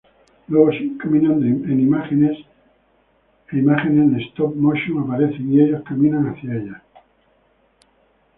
Luego siguen caminando e imágenes en stop motion aparecen y ellos caminan hacia ellas.